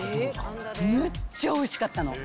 むっちゃおいしかったの。